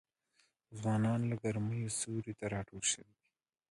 ځوانان له ګرمیه سیوري ته راټول سوي وه